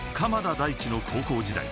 大地の高校時代。